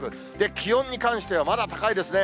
気温に関してはまだ高いですね。